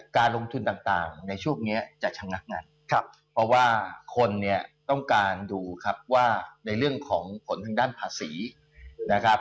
การลงทุนต่างในช่วงนี้จะชะงักงานครับเพราะว่าคนเนี่ยต้องการดูครับว่าในเรื่องของผลทางด้านภาษีนะครับ